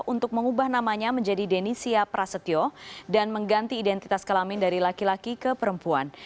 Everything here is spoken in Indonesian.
untuk mengubah namanya menjadi denisia prasetyo dan mengganti identitas kelamin dari laki laki ke perempuan